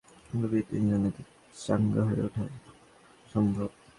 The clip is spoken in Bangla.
তবে মাঝখানে সংক্ষিপ্ত ঝিমুনির মতো বিরতি নিলে নাকি চাঙা হয়ে ওঠা সম্ভব।